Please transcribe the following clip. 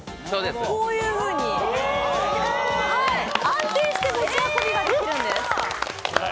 こういうふうに、安定して持ち運びができるんです。